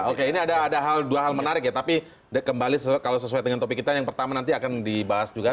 oke ini ada hal dua hal menarik ya tapi kembali kalau sesuai dengan topik kita yang pertama nanti akan dibahas juga